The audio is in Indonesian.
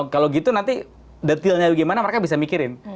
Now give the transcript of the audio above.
kalau gitu nanti detailnya bagaimana mereka bisa mikirin